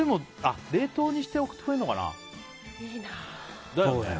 冷凍にして送ってくれるのかな？